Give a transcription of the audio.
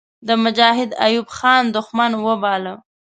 د مجاهد ایوب خان دښمن وباله.